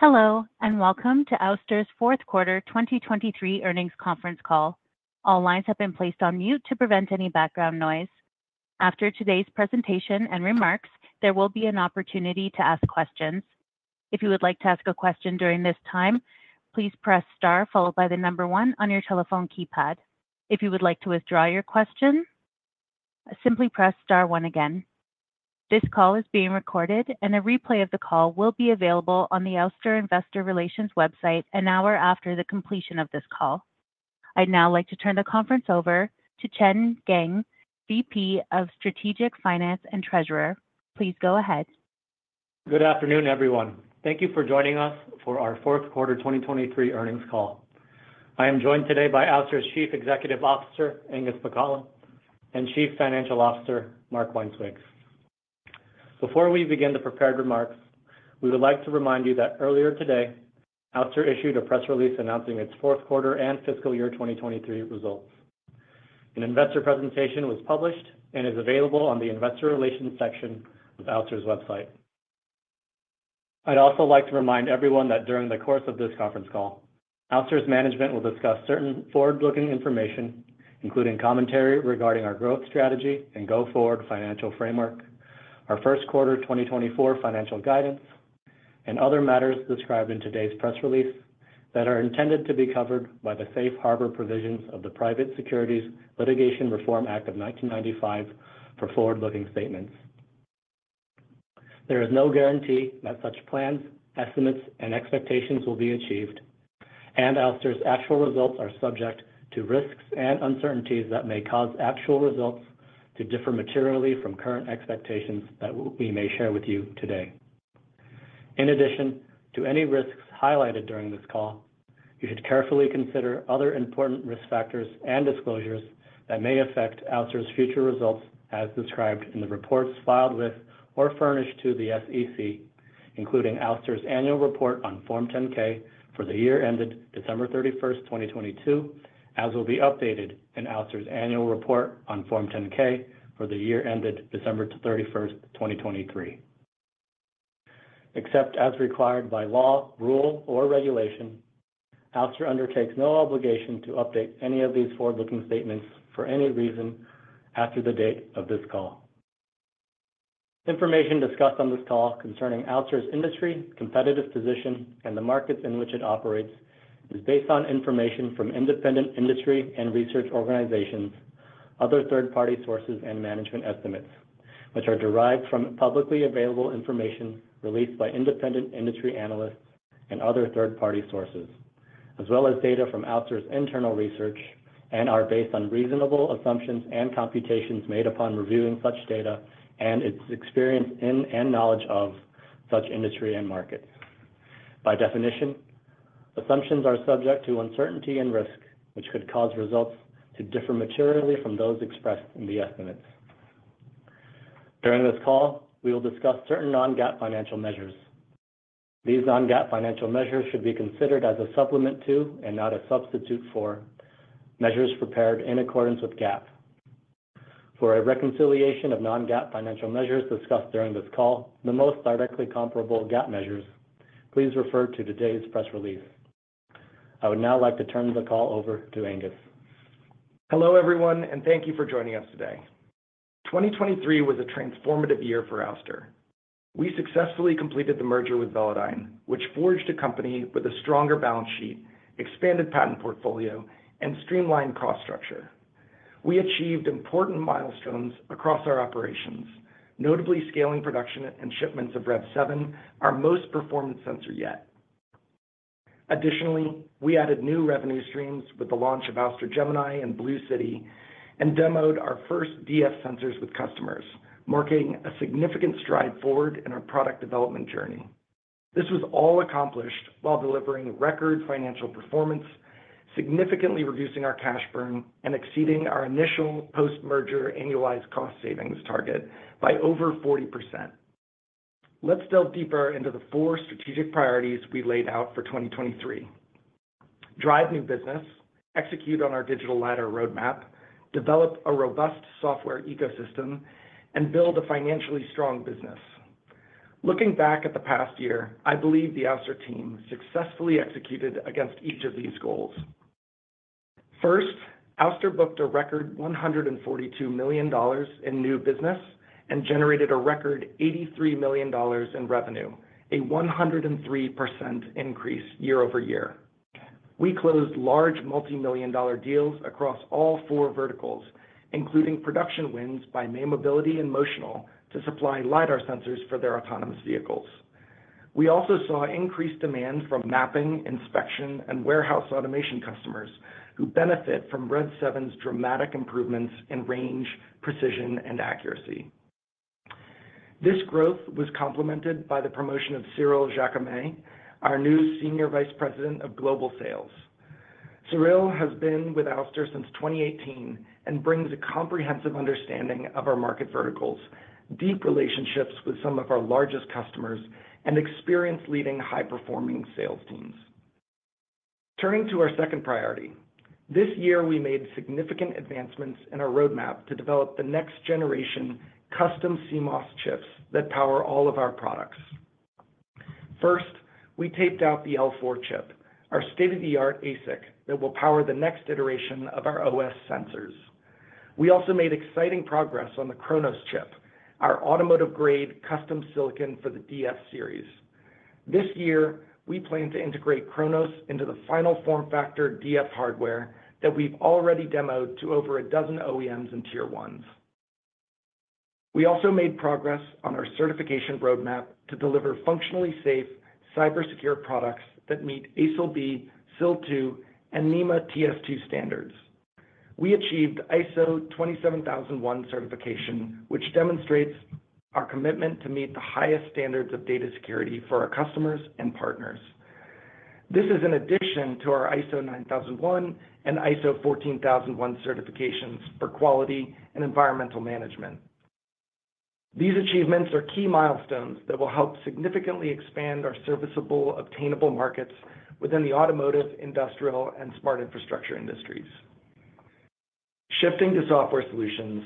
Hello, and welcome to Ouster's 4Q 2023 earnings conference call. All lines have been placed on mute to prevent any background noise. After today's presentation and remarks, there will be an opportunity to ask questions. If you would like to ask a question during this time, please press Star, followed by the number 1 on your telephone keypad. If you would like to withdraw your question, simply press Star 1 again. This call is being recorded, and a replay of the call will be available on the Ouster Investor Relations website an hour after the completion of this call. I'd now like to turn the conference over to Chen Geng, VP of Strategic Finance and Treasurer. Please go ahead. Good afternoon, everyone. Thank you for joining us for our 4Q 2023 earnings call. I am joined today by Ouster's Chief Executive Officer, Angus Pacala, and Chief Financial Officer, Mark Weinswig. Before we begin the prepared remarks, we would like to remind you that earlier today, Ouster issued a press release announcing its 4Q and fiscal year 2023 results. An investor presentation was published and is available on the Investor Relations section of Ouster's website. I'd also like to remind everyone that during the course of this conference call, Ouster's management will discuss certain forward-looking information, including commentary regarding our growth strategy and go-forward financial framework, our 1Q 2024 financial guidance, and other matters described in today's press release that are intended to be covered by the safe harbor provisions of the Private Securities Litigation Reform Act of 1995 for forward-looking statements. There is no guarantee that such plans, estimates, and expectations will be achieved, and Ouster's actual results are subject to risks and uncertainties that may cause actual results to differ materially from current expectations that we may share with you today. In addition to any risks highlighted during this call, you should carefully consider other important risk factors and disclosures that may affect Ouster's future results, as described in the reports filed with or furnished to the SEC, including Ouster's annual report on Form 10-K for the year ended December 31, 2022, as will be updated in Ouster's annual report on Form 10-K for the year ended December 31, 2023. Except as required by law, rule, or regulation, Ouster undertakes no obligation to update any of these forward-looking statements for any reason after the date of this call. Information discussed on this call concerning Ouster's industry, competitive position, and the markets in which it operates, is based on information from independent industry and research organizations, other third-party sources, and management estimates, which are derived from publicly available information released by independent industry analysts and other third-party sources, as well as data from Ouster's internal research, and are based on reasonable assumptions and computations made upon reviewing such data and its experience in and knowledge of such industry and markets. By definition, assumptions are subject to uncertainty and risk, which could cause results to differ materially from those expressed in the estimates. During this call, we will discuss certain non-GAAP financial measures. These non-GAAP financial measures should be considered as a supplement to, and not a substitute for, measures prepared in accordance with GAAP. For a reconciliation of non-GAAP financial measures discussed during this call, the most directly comparable GAAP measures, please refer to today's press release. I would now like to turn the call over to Angus. Hello, everyone, and thank you for joining us today. 2023 was a transformative year for Ouster. We successfully completed the merger with Velodyne, which forged a company with a stronger balance sheet, expanded patent portfolio, and streamlined cost structure. We achieved important milestones across our operations, notably scaling production and shipments of REV7, our most performant sensor yet. Additionally, we added new revenue streams with the launch of Ouster Gemini and Ouster BlueCity, and demoed our first DF sensors with customers, marking a significant stride forward in our product development journey. This was all accomplished while delivering record financial performance, significantly reducing our cash burn, and exceeding our initial post-merger annualized cost savings target by over 40%. Let's delve deeper into the four strategic priorities we laid out for 2023: drive new business, execute on our digital lidar roadmap, develop a robust software ecosystem, and build a financially strong business. Looking back at the past year, I believe the Ouster team successfully executed against each of these goals. First, Ouster booked a record $142 million in new business and generated a record $83 million in revenue, a 103% increase year-over-year. We closed large multi-million dollar deals across all four verticals, including production wins by May Mobility and Motional, to supply lidar sensors for their autonomous vehicles. We also saw increased demand from mapping, inspection, and warehouse automation customers, who benefit from REV7's dramatic improvements in range, precision, and accuracy. This growth was complemented by the promotion of Cyrille Jacquemet, our new Senior Vice President of Global Sales. Cyrille has been with Ouster since 2018 and brings a comprehensive understanding of our market verticals, deep relationships with some of our largest customers, and experience leading high-performing sales teams.... Turning to our second priority. This year, we made significant advancements in our roadmap to develop the next generation custom CMOS chips that power all of our products. First, we taped out the L4 chip, our state-of-the-art ASIC that will power the next iteration of our OS sensors. We also made exciting progress on the Kronos chip, our automotive-grade custom silicon for the DF series. This year, we plan to integrate Kronos into the final form factor DF hardware that we've already demoed to over a dozen OEMs and tier ones. We also made progress on our certification roadmap to deliver functionally safe, cybersecure products that meet ASIL B, SIL 2, and NEMA TS2 standards. We achieved ISO 27001 certification, which demonstrates our commitment to meet the highest standards of data security for our customers and partners. This is in addition to our ISO 9001 and ISO 14001 certifications for quality and environmental management. These achievements are key milestones that will help significantly expand our serviceable, obtainable markets within the automotive, industrial, and smart infrastructure industries. Shifting to software solutions,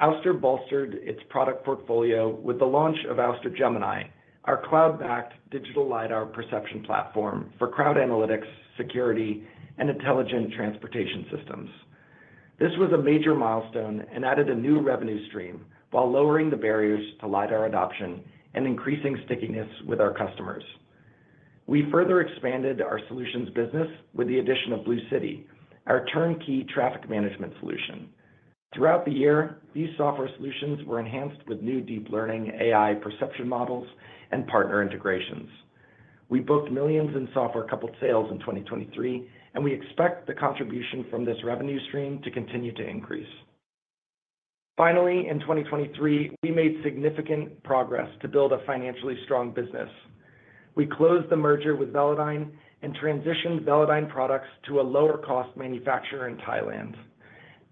Ouster bolstered its product portfolio with the launch of Ouster Gemini, our cloud-backed digital lidar perception platform for crowd analytics, security, and intelligent transportation systems. This was a major milestone and added a new revenue stream while lowering the barriers to lidar adoption and increasing stickiness with our customers. We further expanded our solutions business with the addition of BlueCity, our turnkey traffic management solution. Throughout the year, these software solutions were enhanced with new deep learning AI perception models and partner integrations. We booked millions of dollars in software-coupled sales in 2023, and we expect the contribution from this revenue stream to continue to increase. Finally, in 2023, we made significant progress to build a financially strong business. We closed the merger with Velodyne and transitioned Velodyne products to a lower-cost manufacturer in Thailand.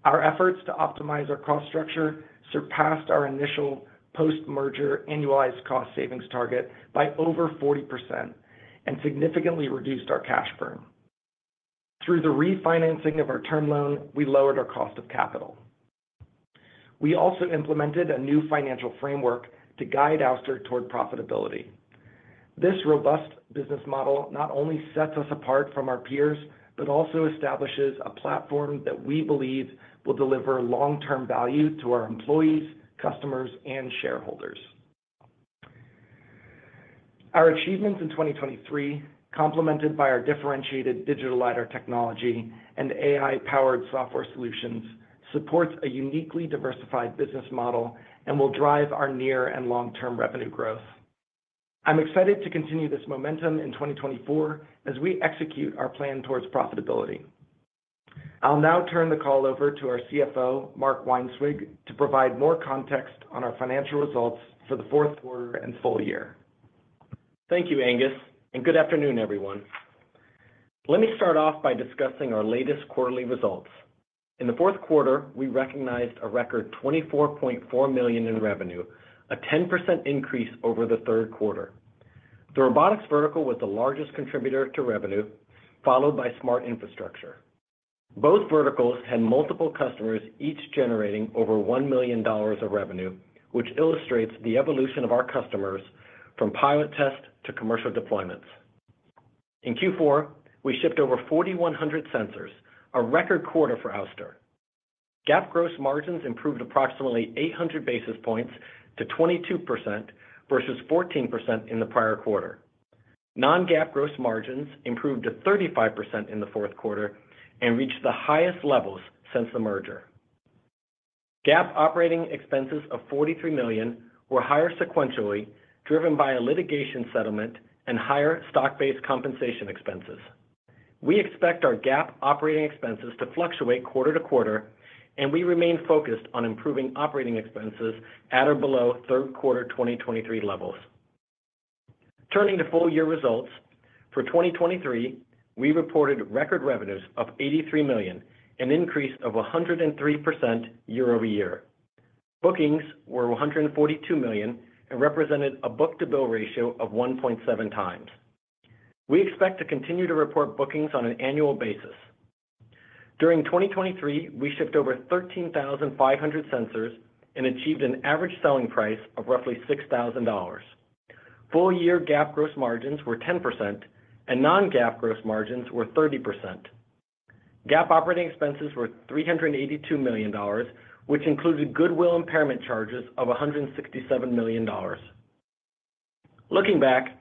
Our efforts to optimize our cost structure surpassed our initial post-merger annualized cost savings target by over 40% and significantly reduced our cash burn. Through the refinancing of our term loan, we lowered our cost of capital. We also implemented a new financial framework to guide Ouster toward profitability. This robust business model not only sets us apart from our peers, but also establishes a platform that we believe will deliver long-term value to our employees, customers, and shareholders. Our achievements in 2023, complemented by our differentiated digital lidar technology and AI-powered software solutions, supports a uniquely diversified business model and will drive our near and long-term revenue growth. I'm excited to continue this momentum in 2024 as we execute our plan towards profitability. I'll now turn the call over to our CFO, Mark Weinswig, to provide more context on our financial results for the 4Q and full year. Thank you, Angus, and good afternoon, everyone. Let me start off by discussing our latest quarterly results. In the 4Q, we recognized a record $24.4 million in revenue, a 10% increase over the third quarter. The robotics vertical was the largest contributor to revenue, followed by smart infrastructure. Both verticals had multiple customers, each generating over $1 million of revenue, which illustrates the evolution of our customers from pilot test to commercial deployments. In Q4, we shipped over 4,100 sensors, a record quarter for Ouster. GAAP gross margins improved approximately 800 basis points to 22% versus 14% in the prior quarter. Non-GAAP gross margins improved to 35% in the 4Q and reached the highest levels since the merger. GAAP operating expenses of $43 million were higher sequentially, driven by a litigation settlement and higher stock-based compensation expenses. We expect our GAAP operating expenses to fluctuate quarter-to-quarter, and we remain focused on improving operating expenses at or below third quarter 2023 levels. Turning to full year results, for 2023, we reported record revenues of $83 million, an increase of 103% year-over-year. Bookings were $142 million and represented a book-to-bill ratio of 1.7x. We expect to continue to report bookings on an annual basis. During 2023, we shipped over 13,500 sensors and achieved an average selling price of roughly $6,000. Full year GAAP gross margins were 10%, and non-GAAP gross margins were 30%. GAAP operating expenses were $382 million, which includes goodwill impairment charges of $167 million. Looking back,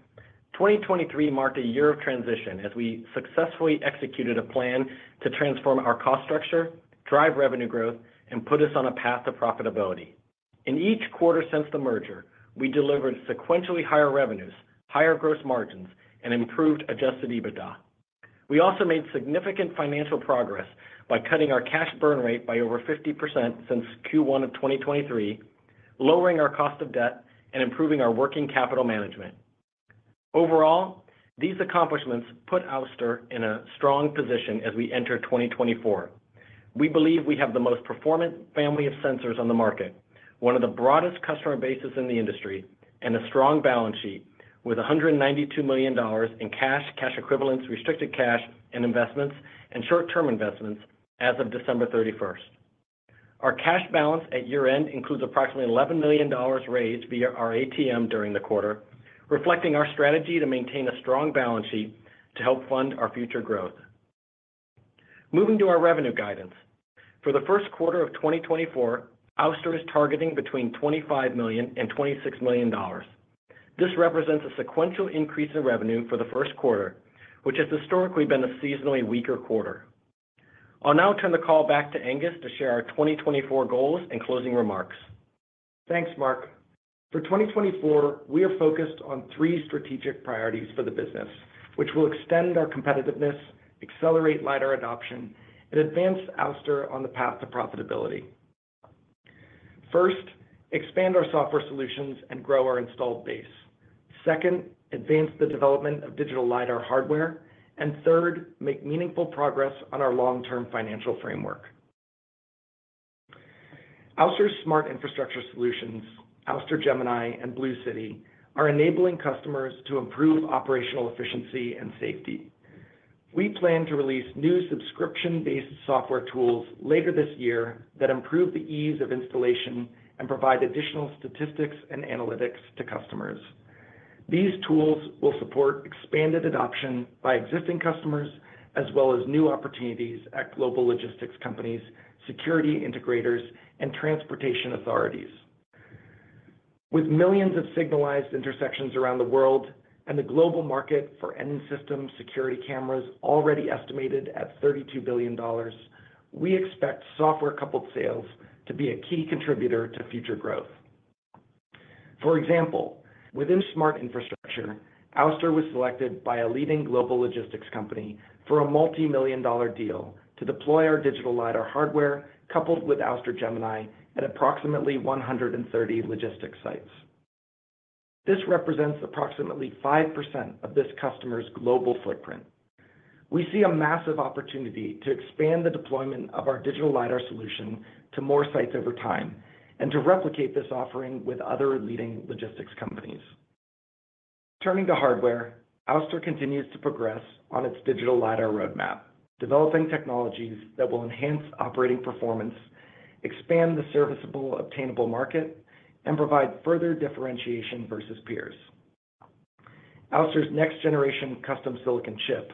2023 marked a year of transition as we successfully executed a plan to transform our cost structure, drive revenue growth, and put us on a path to profitability. In each quarter since the merger, we delivered sequentially higher revenues, higher gross margins, and improved Adjusted EBITDA. We also made significant financial progress by cutting our cash burn rate by over 50% since Q1 of 2023, lowering our cost of debt and improving our working capital management. Overall, these accomplishments put Ouster in a strong position as we enter 2024.... We believe we have the most performant family of sensors on the market, one of the broadest customer bases in the industry, and a strong balance sheet with $192 million in cash, cash equivalents, restricted cash and investments, and short-term investments as of December 31. Our cash balance at year-end includes approximately $11 million raised via our ATM during the quarter, reflecting our strategy to maintain a strong balance sheet to help fund our future growth. Moving to our revenue guidance. For the 1Q of 2024, Ouster is targeting between $25 million and $26 million. This represents a sequential increase in revenue for the 1Q, which has historically been a seasonally weaker quarter. I'll now turn the call back to Angus to share our 2024 goals and closing remarks. Thanks, Mark. For 2024, we are focused on three strategic priorities for the business, which will extend our competitiveness, accelerate lidar adoption, and advance Ouster on the path to profitability. First, expand our software solutions and grow our installed base. Second, advance the development of digital lidar hardware. And third, make meaningful progress on our long-term financial framework. Ouster's smart infrastructure solutions, Ouster Gemini and BlueCity, are enabling customers to improve operational efficiency and safety. We plan to release new subscription-based software tools later this year that improve the ease of installation and provide additional statistics and analytics to customers. These tools will support expanded adoption by existing customers, as well as new opportunities at global logistics companies, security integrators, and transportation authorities. With millions of signalized intersections around the world and the global market for end system security cameras already estimated at $32 billion, we expect software-coupled sales to be a key contributor to future growth. For example, within smart infrastructure, Ouster was selected by a leading global logistics company for a multimillion-dollar deal to deploy our digital lidar hardware, coupled with Ouster Gemini, at approximately 130 logistics sites. This represents approximately 5% of this customer's global footprint. We see a massive opportunity to expand the deployment of our digital lidar solution to more sites over time, and to replicate this offering with other leading logistics companies. Turning to hardware, Ouster continues to progress on its digital lidar roadmap, developing technologies that will enhance operating performance, expand the serviceable obtainable market, and provide further differentiation versus peers. Ouster's next generation custom silicon chip,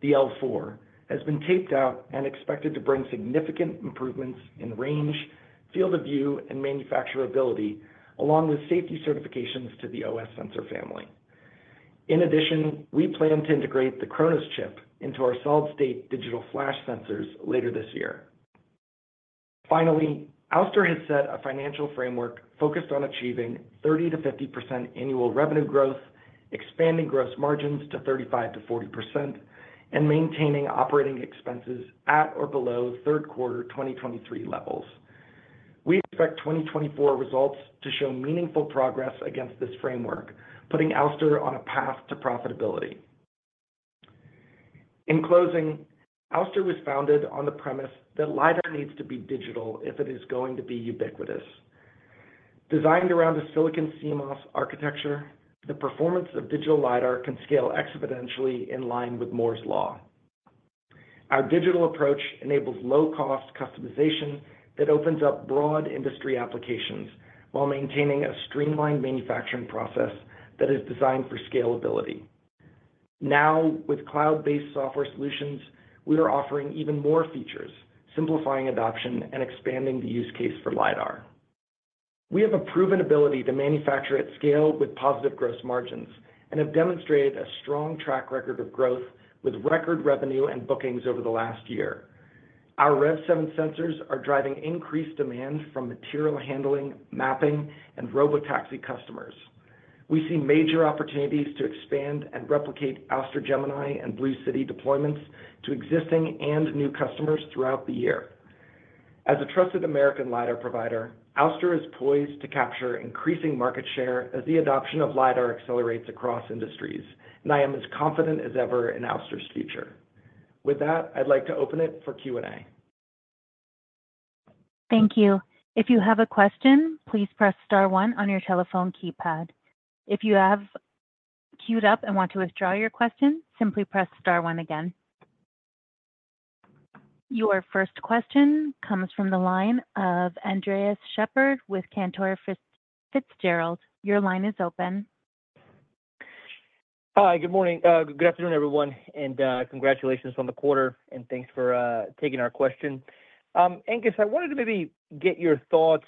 the L4, has been taped out and expected to bring significant improvements in range, field of view, and manufacturability, along with safety certifications to the OS sensor family. In addition, we plan to integrate the Kronos chip into our solid-state digital flash sensors later this year. Finally, Ouster has set a financial framework focused on achieving 30%-50% annual revenue growth, expanding gross margins to 35%-40%, and maintaining operating expenses at or below third quarter 2023 levels. We expect 2024 results to show meaningful progress against this framework, putting Ouster on a path to profitability. In closing, Ouster was founded on the premise that lidar needs to be digital if it is going to be ubiquitous. Designed around a silicon CMOS architecture, the performance of digital lidar can scale exponentially in line with Moore's Law. Our digital approach enables low-cost customization that opens up broad industry applications while maintaining a streamlined manufacturing process that is designed for scalability. Now, with cloud-based software solutions, we are offering even more features, simplifying adoption and expanding the use case for lidar. We have a proven ability to manufacture at scale with positive gross margins and have demonstrated a strong track record of growth with record revenue and bookings over the last year. Our REV7 sensors are driving increased demand from material handling, mapping, and robotaxi customers. We see major opportunities to expand and replicate Ouster Gemini and BlueCity deployments to existing and new customers throughout the year. As a trusted American lidar provider, Ouster is poised to capture increasing market share as the adoption of lidar accelerates across industries, and I am as confident as ever in Ouster's future. With that, I'd like to open it for Q&A. Thank you. If you have a question, please press star one on your telephone keypad. If you have queued up and want to withdraw your question, simply press star one again. Your first question comes from the line of Andres Sheppard with Cantor Fitzgerald. Your line is open. Hi, good morning, good afternoon, everyone, and, congratulations on the quarter, and thanks for taking our question. Angus, I wanted to maybe get your thoughts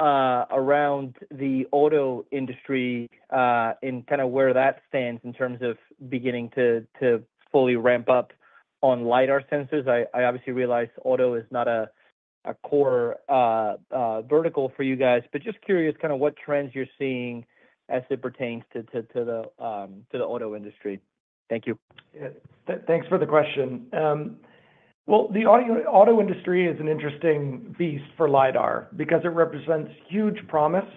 around the auto industry, and kind of where that stands in terms of beginning to fully ramp up on lidar sensors. I obviously realize auto is not a core vertical for you guys, but just curious kind of what trends you're seeing as it pertains to the auto industry. Thank you. Yeah. Thanks for the question. Well, the auto industry is an interesting beast for lidar because it represents huge promise...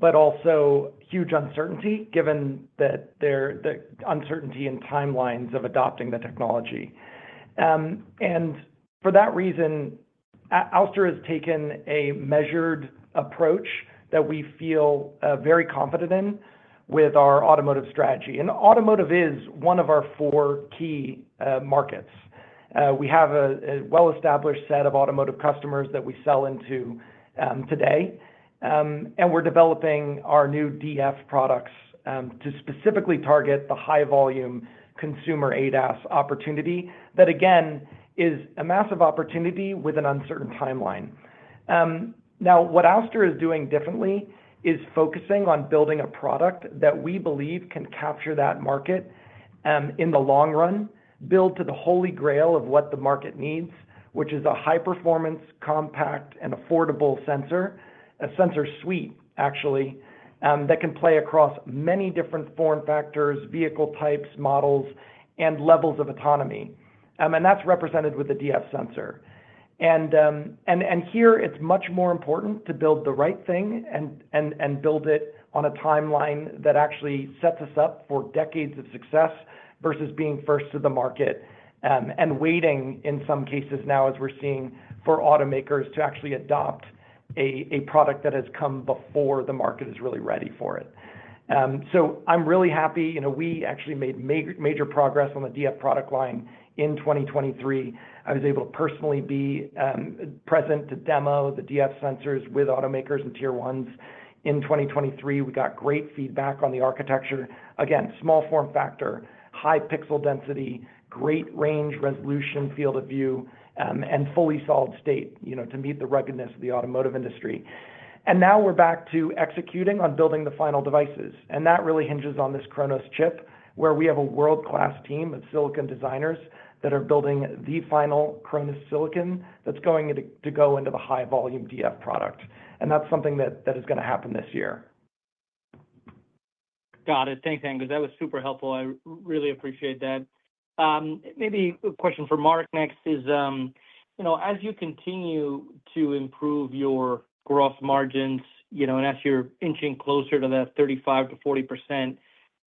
but also huge uncertainty, given that the uncertainty and timelines of adopting the technology. And for that reason, Ouster has taken a measured approach that we feel very confident in with our automotive strategy. And automotive is one of our four key markets. We have a well-established set of automotive customers that we sell into today. And we're developing our new DF products to specifically target the high volume consumer ADAS opportunity. That again is a massive opportunity with an uncertain timeline. Now, what Ouster is doing differently is focusing on building a product that we believe can capture that market, in the long run, build to the holy grail of what the market needs, which is a high-performance, compact, and affordable sensor. A sensor suite, actually, that can play across many different form factors, vehicle types, models, and levels of autonomy. And that's represented with the DF sensor. And here, it's much more important to build the right thing and build it on a timeline that actually sets us up for decades of success, versus being first to the market, and waiting, in some cases now, as we're seeing, for automakers to actually adopt a product that has come before the market is really ready for it. So I'm really happy. You know, we actually made major progress on the DF product line in 2023. I was able to personally be present to demo the DF sensors with automakers and Tier ones in 2023. We got great feedback on the architecture. Again, small form factor, high pixel density, great range resolution, field of view, and fully solid state, you know, to meet the ruggedness of the automotive industry. And now we're back to executing on building the final devices, and that really hinges on this Kronos chip, where we have a world-class team of silicon designers that are building the final Kronos silicon that's going to go into the high volume DF product. And that's something that is gonna happen this year. Got it. Thanks, Angus. That was super helpful. I really appreciate that. Maybe a question for Mark next is, you know, as you continue to improve your gross margins, you know, and as you're inching closer to that 35%-40%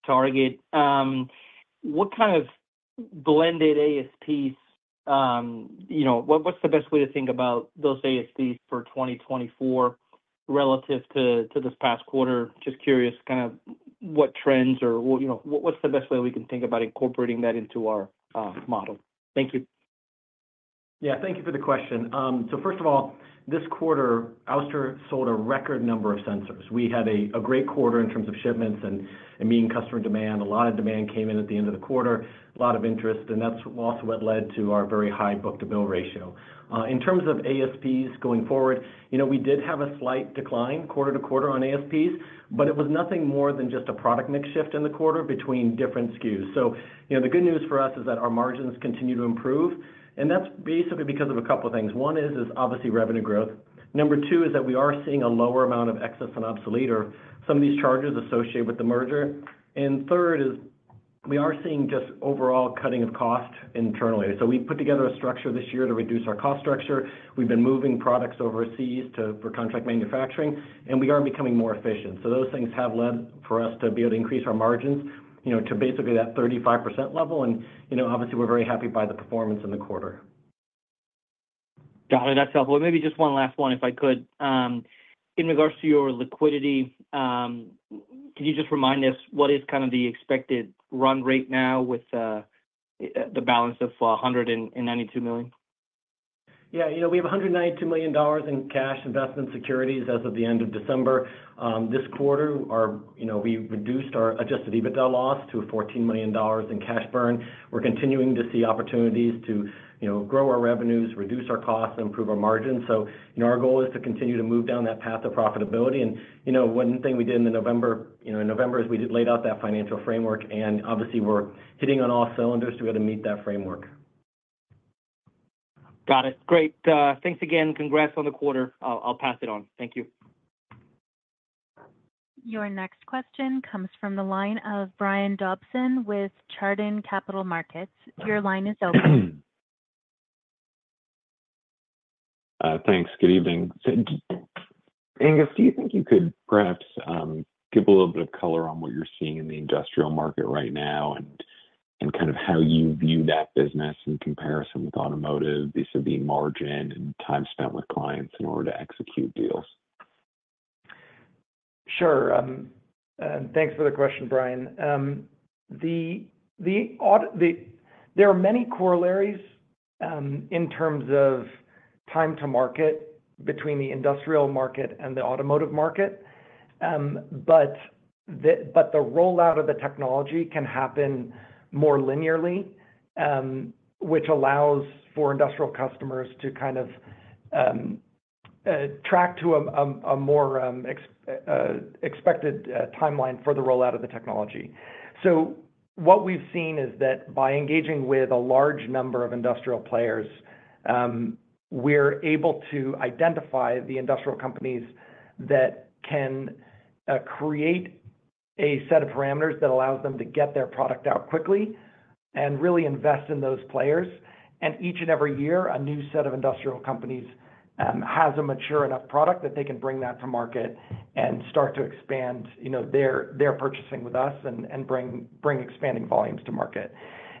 target, what kind of blended ASPs, you know, what, what's the best way to think about those ASPs for 2024 relative to, to this past quarter? Just curious, kind of, what trends or, you know, what, what's the best way we can think about incorporating that into our, model? Thank you. Yeah, thank you for the question. So first of all, this quarter, Ouster sold a record number of sensors. We had a great quarter in terms of shipments and meeting customer demand. A lot of demand came in at the end of the quarter, a lot of interest, and that's also what led to our very high book-to-bill ratio. In terms of ASPs going forward, you know, we did have a slight decline quarter-to-quarter on ASPs, but it was nothing more than just a product mix shift in the quarter between different SKUs. So, you know, the good news for us is that our margins continue to improve, and that's basically because of a couple of things. One is obviously revenue growth. Number two is that we are seeing a lower amount of excess and obsolete or some of these charges associated with the merger. Third is we are seeing just overall cutting of cost internally. So we've put together a structure this year to reduce our cost structure. We've been moving products overseas to for contract manufacturing, and we are becoming more efficient. So those things have led for us to be able to increase our margins, you know, to basically that 35% level. And, you know, obviously, we're very happy by the performance in the quarter. Got it. That's helpful. Maybe just one last one, if I could. In regards to your liquidity, could you just remind us what is kind of the expected run rate now with the balance of $192 million? Yeah, you know, we have $192 million in cash investment securities as of the end of December. This quarter, our, you know, we reduced our adjusted EBITDA loss to $14 million in cash burn. We're continuing to see opportunities to, you know, grow our revenues, reduce our costs, and improve our margins. So, you know, our goal is to continue to move down that path of profitability. And, you know, one thing we did in November, you know, in November, is we laid out that financial framework, and obviously, we're hitting on all cylinders to be able to meet that framework. Got it. Great. Thanks again. Congrats on the quarter. I'll pass it on. Thank you. Your next question comes from the line of Brian Dobson with Chardan Capital Markets. Your line is open. Thanks. Good evening. Angus, do you think you could perhaps give a little bit of color on what you're seeing in the industrial market right now, and kind of how you view that business in comparison with automotive, vis-a-vis margin and time spent with clients in order to execute deals? Sure. Thanks for the question, Brian. There are many corollaries in terms of time to market between the industrial market and the automotive market. The rollout of the technology can happen more linearly, which allows for industrial customers to kind of track to a more expected timeline for the rollout of the technology. So what we've seen is that by engaging with a large number of industrial players, we're able to identify the industrial companies that can create a set of parameters that allows them to get their product out quickly and really invest in those players. Each and every year, a new set of industrial companies has a mature enough product that they can bring that to market and start to expand, you know, their purchasing with us and bring expanding volumes to market.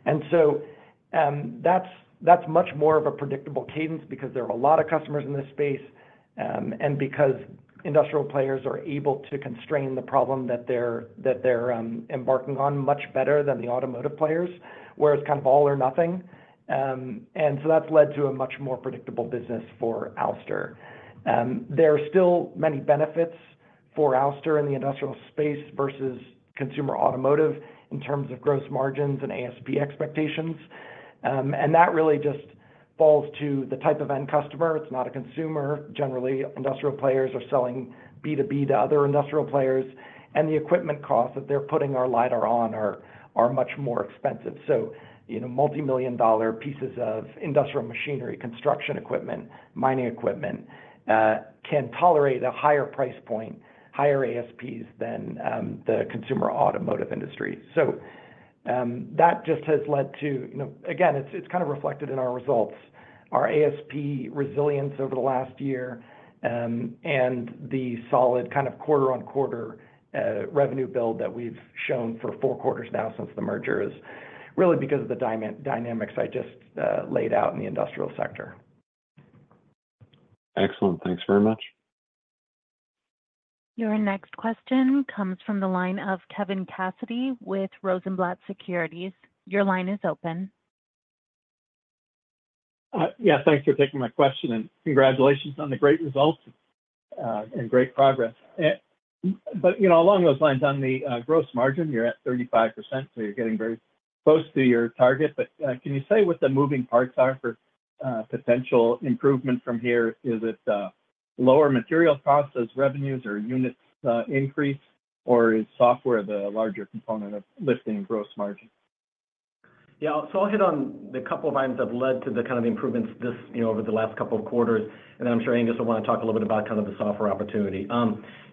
And so, that's much more of a predictable cadence because there are a lot of customers in this space, and because industrial players are able to constrain the problem that they're embarking on much better than the automotive players, where it's kind of all or nothing. And so that's led to a much more predictable business for Ouster. There are still many benefits for Ouster in the industrial space versus consumer automotive in terms of gross margins and ASP expectations. And that really just falls to the type of end customer. It's not a consumer. Generally, industrial players are selling B2B to other industrial players, and the equipment costs that they're putting our LiDAR on are much more expensive. So, you know, multimillion-dollar pieces of industrial machinery, construction equipment, mining equipment can tolerate a higher price point, higher ASPs than the consumer automotive industry. So, that just has led to, you know. Again, it's kind of reflected in our results. Our ASP resilience over the last year, and the solid kind of quarter-on-quarter revenue build that we've shown for four quarters now since the merger is really because of the dynamics I just laid out in the industrial sector. Excellent. Thanks very much. Your next question comes from the line of Kevin Cassidy with Rosenblatt Securities. Your line is open. Yeah, thanks for taking my question, and congratulations on the great results, and great progress. But, you know, along those lines, on the gross margin, you're at 35%, so you're getting very close to your target. But, can you say what the moving parts are for potential improvement from here? Is it lower material costs as revenues or units increase, or is software the larger component of lifting gross margin? Yeah, so I'll hit on the couple of items that have led to the kind of improvements this, you know, over the last couple of quarters, and I'm sure Angus will want to talk a little bit about kind of the software opportunity.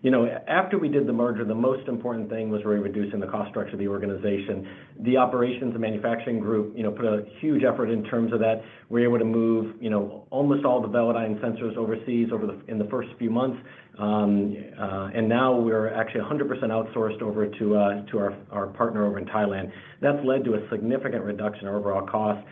You know, after we did the merger, the most important thing was really reducing the cost structure of the organization. The operations and manufacturing group, you know, put a huge effort in terms of that. We were able to move, you know, almost all the Velodyne sensors overseas in the first few months. And now we're actually 100% outsourced over to to our our partner over in Thailand. That's led to a significant reduction in overall cost.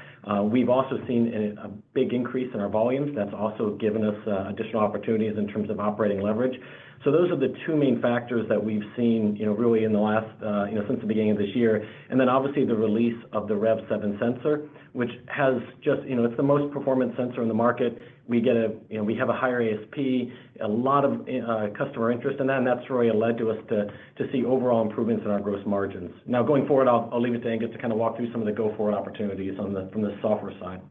We've also seen a big increase in our volumes. That's also given us additional opportunities in terms of operating leverage. So those are the two main factors that we've seen, you know, really in the last, you know, since the beginning of this year. And then, obviously, the release of the REV7 sensor, which has just, you know, it's the most performant sensor in the market. We have a higher ASP, a lot of customer interest in that, and that's really led us to see overall improvements in our gross margins. Now, going forward, I'll leave it to Angus to kind of walk through some of the go-forward opportunities from the software side.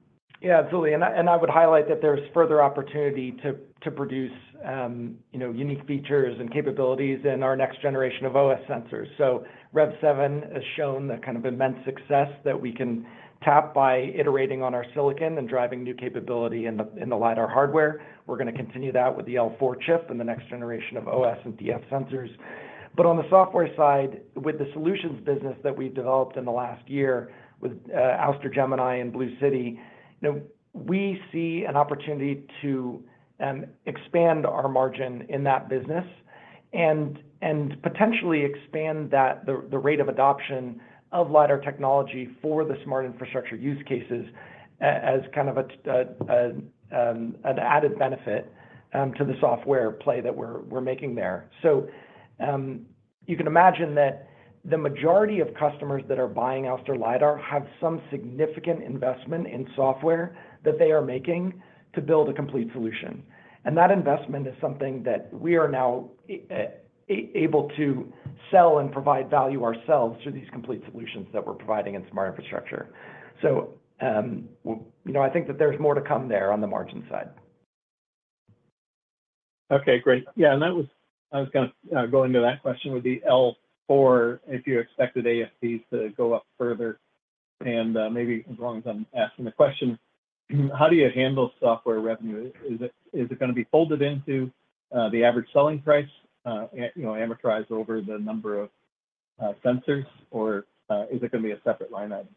Yeah, absolutely. And I would highlight that there's further opportunity to produce, you know, unique features and capabilities in our next generation of OS sensors. So REV7 has shown the kind of immense success that we can tap by iterating on our silicon and driving new capability in the LiDAR hardware. We're gonna continue that with the L4 chip and the next generation of OS and DF sensors. But on the software side, with the solutions business that we've developed in the last year with Ouster BlueCity, you know, we see an opportunity to expand our margin in that business and potentially expand the rate of adoption of LiDAR technology for the smart infrastructure use cases as kind of an added benefit to the software play that we're making there. So, you can imagine that the majority of customers that are buying Ouster lidar have some significant investment in software that they are making to build a complete solution. And that investment is something that we are now able to sell and provide value ourselves through these complete solutions that we're providing in smart infrastructure. So, you know, I think that there's more to come there on the margin side. Okay, great. Yeah, and that was—I was gonna go into that question with the L4, if you expected ASPs to go up further. And, maybe as long as I'm asking the question, how do you handle software revenue? Is it, is it gonna be folded into the average selling price, you know, amortized over the number of sensors, or is it gonna be a separate line item?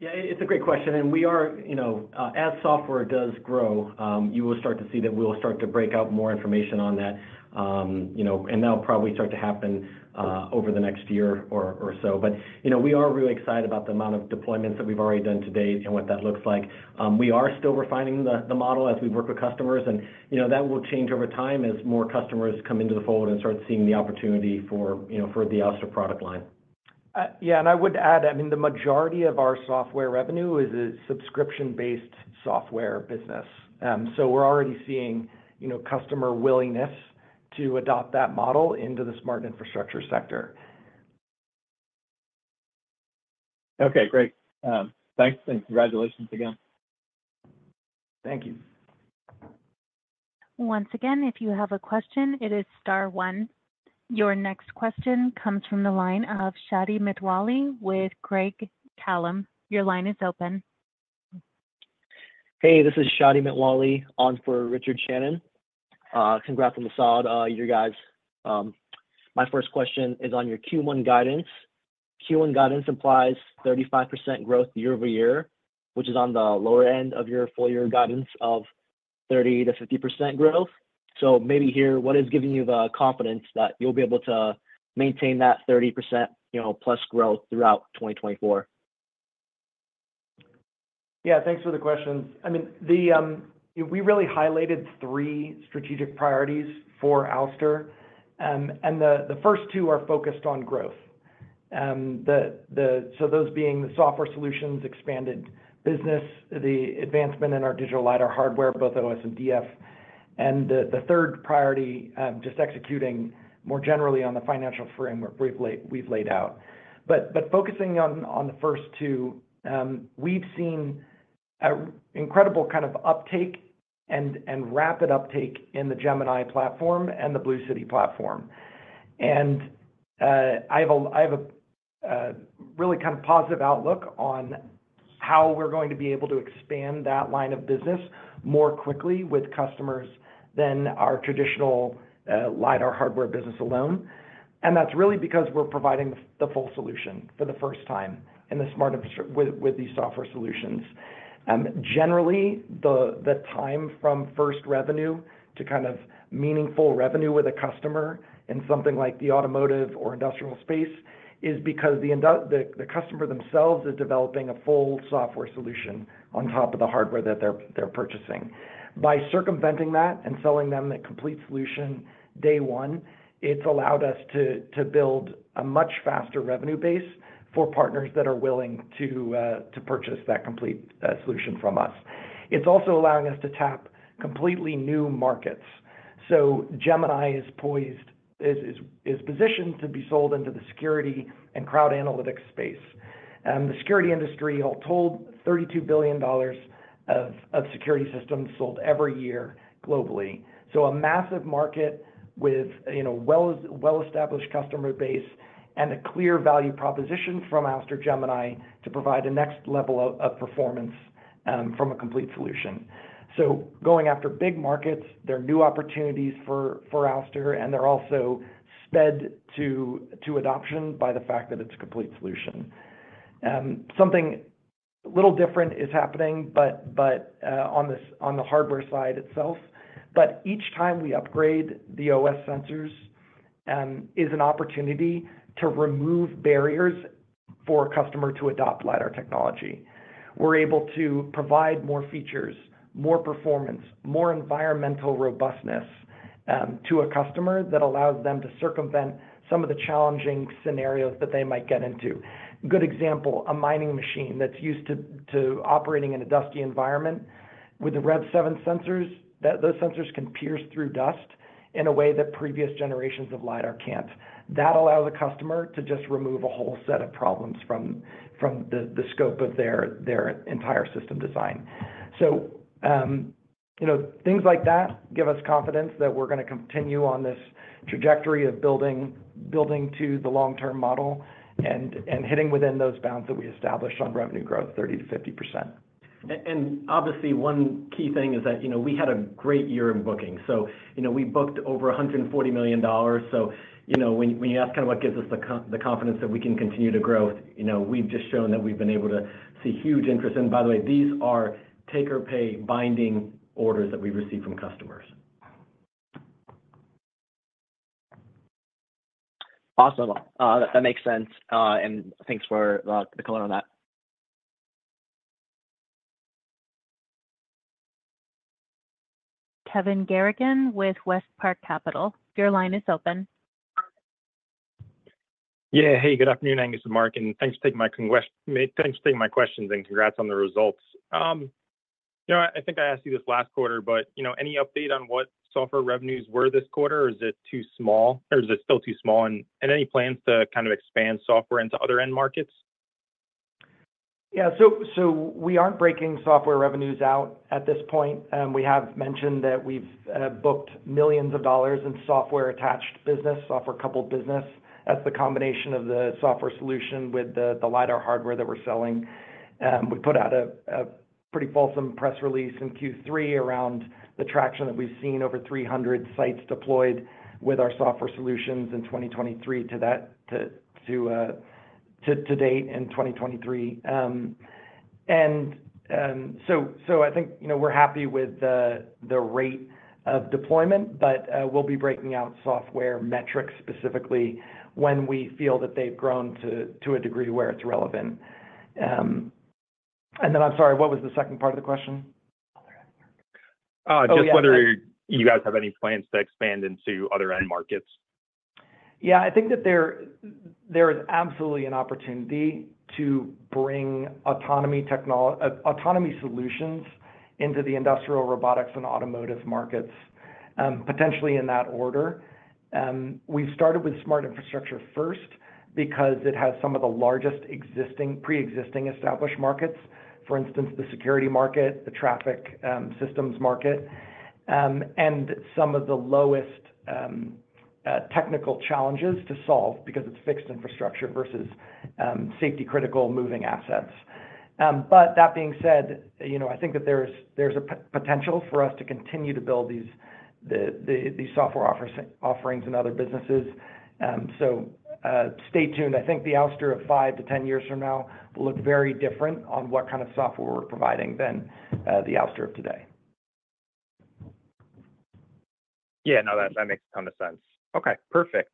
Yeah, it's a great question, and we are, you know, as software does grow, you will start to see that we'll start to break out more information on that. You know, and that'll probably start to happen over the next year or so. But, you know, we are really excited about the amount of deployments that we've already done to date and what that looks like. We are still refining the model as we work with customers and, you know, that will change over time as more customers come into the fold and start seeing the opportunity for, you know, for the Ouster product line. Yeah, and I would add, I mean, the majority of our software revenue is a subscription-based software business. So we're already seeing, you know, customer willingness to adopt that model into the smart infrastructure sector. Okay, great. Thanks, and congratulations again. Thank you. Once again, if you have a question, it is star one. Your next question comes from the line of Shadi Mitwalli with Craig-Hallum. Your line is open. Hey, this is Shadi Mitwalli on for Richard Shannon. Congrats on the side, you guys. My first question is on your Q1 guidance. Q1 guidance implies 35% growth year-over-year, which is on the lower end of your full year guidance of 30%-50% growth. So maybe here, what is giving you the confidence that you'll be able to maintain that 30%, you know, plus growth throughout 2024? Yeah, thanks for the questions. I mean, we really highlighted three strategic priorities for Ouster. The first two are focused on growth. So those being the software solutions, expanded business, the advancement in our digital lidar hardware, both OS and DF, and the third priority, just executing more generally on the financial framework briefly we've laid out. But focusing on the first two, we've seen an incredible kind of uptake and rapid uptake in the Gemini platform and the BlueCity platform. And I have a really kind of positive outlook on how we're going to be able to expand that line of business more quickly with customers than our traditional lidar hardware business alone. That's really because we're providing the full solution for the first time in the smart infrastructure with these software solutions. Generally, the time from first revenue to kind of meaningful revenue with a customer in something like the automotive or industrial space is because the customer themselves is developing a full software solution on top of the hardware that they're purchasing. By circumventing that and selling them a complete solution, day one, it's allowed us to build a much faster revenue base for partners that are willing to purchase that complete solution from us. It's also allowing us to tap completely new markets. So Gemini is positioned to be sold into the security and crowd analytics space. The security industry all told, $32 billion of security systems sold every year globally. So a massive market with, you know, well, well-established customer base and a clear value proposition from Ouster Gemini to provide a next level of performance from a complete solution. So going after big markets, there are new opportunities for Ouster, and they're also sped to adoption by the fact that it's a complete solution. Something a little different is happening, but on the hardware side itself. But each time we upgrade the OS sensors is an opportunity to remove barriers for a customer to adopt lidar technology. We're able to provide more features, more performance, more environmental robustness to a customer that allows them to circumvent some of the challenging scenarios that they might get into. Good example, a mining machine that's used to operating in a dusty environment with the REV7 sensors, that those sensors can pierce through dust in a way that previous generations of lidar can't. That allows a customer to just remove a whole set of problems from the scope of their entire system design. So, you know, things like that give us confidence that we're gonna continue on this trajectory of building to the long-term model and hitting within those bounds that we established on revenue growth, 30%-50%. And obviously, one key thing is that, you know, we had a great year in booking, so, you know, we booked over $140 million. So, you know, when you ask kind of what gives us the confidence that we can continue to grow, you know, we've just shown that we've been able to see huge interest. And by the way, these are take or pay binding orders that we've received from customers. Awesome. That makes sense. Thanks for the color on that. Kevin Garrigan with WestPark Capital, your line is open. Yeah. Hey, good afternoon. This is Mark, and thanks for taking my questions, and congrats on the results. You know, I think I asked you this last quarter, but, you know, any update on what software revenues were this quarter, or is it too small, or is it still too small? And any plans to kind of expand software into other end markets? Yeah. So we aren't breaking software revenues out at this point. We have mentioned that we've booked millions of dollars in software attached business, software coupled business. That's the combination of the software solution with the lidar hardware that we're selling. We put out a pretty fulsome press release in Q3 around the traction that we've seen over 300 sites deployed with our software solutions in 2023 to date. And I think, you know, we're happy with the rate of deployment, but we'll be breaking out software metrics specifically when we feel that they've grown to a degree where it's relevant. And then, I'm sorry, what was the second part of the question? Just whether you guys have any plans to expand into other end markets? Yeah, I think that there is absolutely an opportunity to bring autonomy solutions into the industrial, robotics, and automotive markets, potentially in that order. We started with smart infrastructure first because it has some of the largest pre-existing established markets. For instance, the security market, the traffic systems market, and some of the lowest technical challenges to solve because it's fixed infrastructure versus safety-critical moving assets. But that being said, you know, I think that there's a potential for us to continue to build these software offerings in other businesses. So, stay tuned. I think the Ouster of 5-10 years from now will look very different on what kind of software we're providing than the Ouster of today. Yeah, no, that makes a ton of sense. Okay, perfect.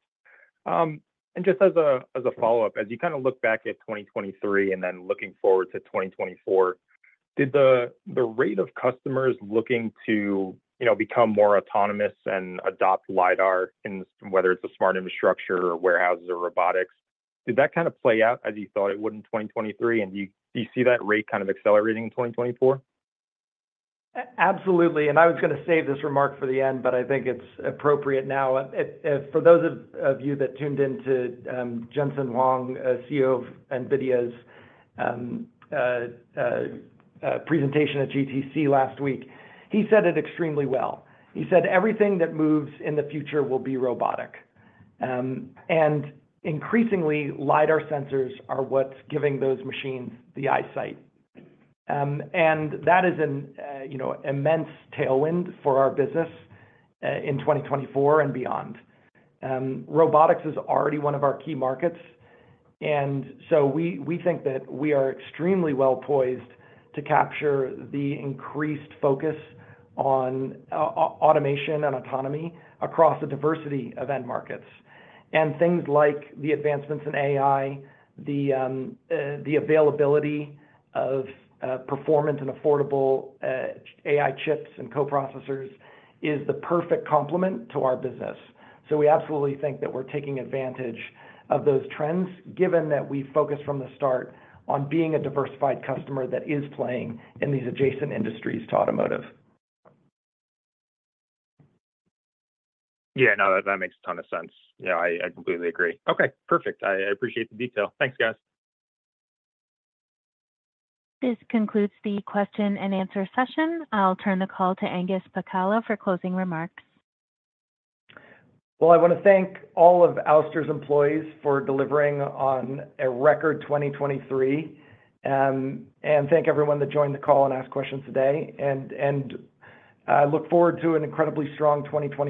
And just as a follow-up, as you kind of look back at 2023 and then looking forward to 2024, did the rate of customers looking to, you know, become more autonomous and adopt lidar in, whether it's a smart infrastructure or warehouses or robotics, did that kind of play out as you thought it would in 2023? And do you see that rate kind of accelerating in 2024? Absolutely. And I was gonna save this remark for the end, but I think it's appropriate now. For those of you that tuned in to Jensen Huang, CEO of NVIDIA's presentation at GTC last week, he said it extremely well. He said, "Everything that moves in the future will be robotic." And increasingly, LiDAR sensors are what's giving those machines the eyesight. And that is an, you know, immense tailwind for our business in 2024 and beyond. Robotics is already one of our key markets, and so we, we think that we are extremely well-poised to capture the increased focus on automation and autonomy across a diversity of end markets. And things like the advancements in AI, the availability of performance and affordable AI chips and co-processors is the perfect complement to our business. So we absolutely think that we're taking advantage of those trends, given that we focused from the start on being a diversified customer that is playing in these adjacent industries to automotive. Yeah, no, that makes a ton of sense. Yeah, I, I completely agree. Okay, perfect. I, I appreciate the detail. Thanks, guys. This concludes the question and answer session. I'll turn the call to Angus Pacala for closing remarks. Well, I want to thank all of Ouster's employees for delivering on a record 2023, and thank everyone that joined the call and asked questions today. And I look forward to an incredibly strong 2024.